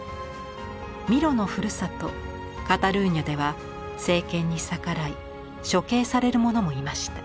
ミロのふるさとカタルーニャでは政権に逆らい処刑される者もいました。